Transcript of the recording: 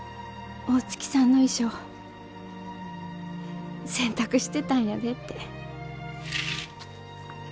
大月さんの衣装洗濯してたんやでって。